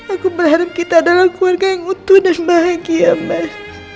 aku berharap kita adalah keluarga yang utuh dan bahagia mbak